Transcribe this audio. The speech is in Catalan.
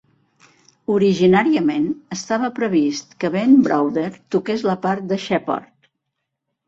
Originàriament estava previst que Ben Browder toqués la part de Sheppard.